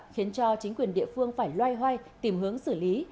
khiến cho chính quyền địa phương phải loay hoay tìm hướng xử lý